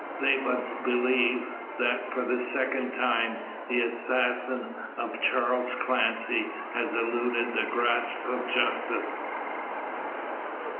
They but believe, that, for the second time, the assassin of Charles Clancy has eluded the grasp of justice.